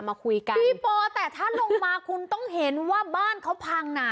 มาคุยกันพี่ปอแต่ถ้าลงมาคุณต้องเห็นว่าบ้านเขาพังหนา